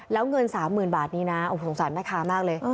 แล้วเงิน๓๐๐๐บาทนี้นะโอ้โหสงสารแม่ค้ามากเลย